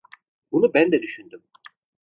Bunu ben de düşündüm.